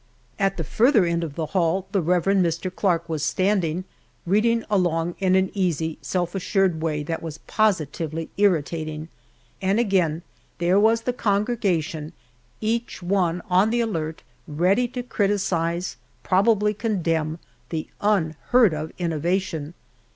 At the farther end of the hall the Rev. Mr. Clark was standing, reading along in an easy, self assured way that was positively irritating. And again, there was the congregation, each one on the alert, ready to criticise, probably condemn, the unheard of innovation!